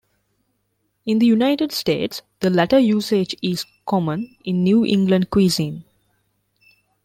In the United States, the latter usage is common in New England cuisine.